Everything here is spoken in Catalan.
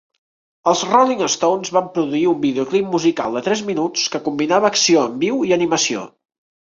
Els Rolling Stones van produir un vídeo clip musical de tres minuts que combinava acció en viu i animació.